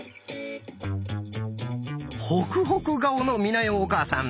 ホクホク顔の美奈代お母さん。